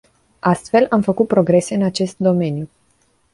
Astfel, am făcut progrese în acest domeniu.